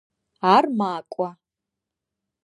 Ар макӏо.